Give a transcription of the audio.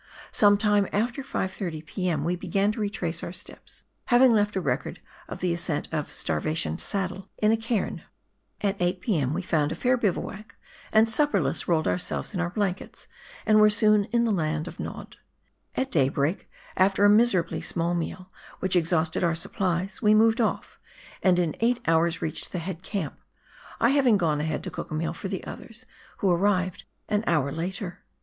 Some time after 5 30 p.m. we began to retrace out steps, having left a record of the ascent of " Star vation Saddle " in a cairn. At 8 p.m. we found a fair bivouac and supperless rolled ourselves in our blankets and were soon in the Land of Nod. At daybreak, after a miserably small meal, which exhausted our supplies, we moved off, and in eight hours reached the head camp — I having gone ahead to cook a meal for the others, who arrived an hour later.